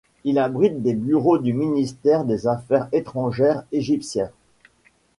Il abrite des bureaux du ministère des Affaires étrangères égyptien.